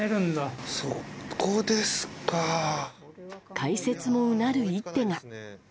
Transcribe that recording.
解説もうなる一手が。